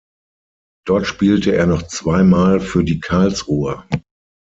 Dort spielte er noch zwei Mal für die Karlsruher.